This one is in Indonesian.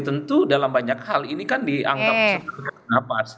tentu dalam banyak hal ini kan dianggap nafas